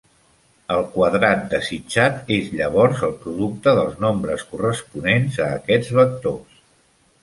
El quadrat desitjat és llavors el producte dels nombres corresponents a aquests vectors.